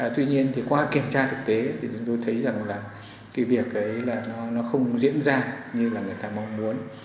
tuy nhiên thì qua kiểm tra thực tế thì chúng tôi thấy rằng là cái việc đấy là nó không diễn ra như là người ta mong muốn